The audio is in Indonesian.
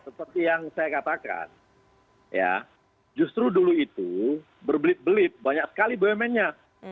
seperti yang saya katakan ya justru dulu itu berbelit belit banyak sekali bumn nya